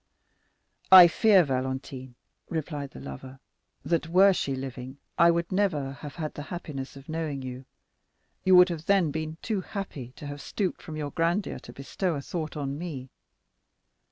"I fear, Valentine," replied the lover, "that were she living I should never have had the happiness of knowing you; you would then have been too happy to have stooped from your grandeur to bestow a thought on me."